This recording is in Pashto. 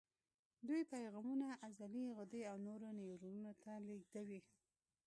دوی پیغامونه عضلې، غدې او نورو نیورونونو ته لېږدوي.